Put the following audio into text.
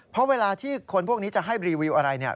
เพราะเวลาที่คนพวกนี้จะให้รีวิวอะไรเนี่ย